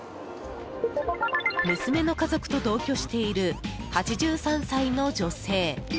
娘の家族と同居している８３歳の女性。